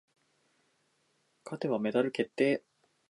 勝てばメダル確定、決勝進出。